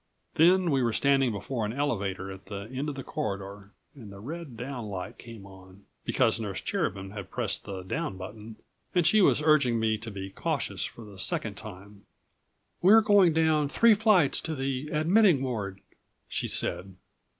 Then we were standing before an elevator at the end of the corridor and the red down light came on ... because Nurse Cherubin had pressed the down button ... and she was urging me to be cautious for the second time. "We're going down three flights to the admitting ward," she said.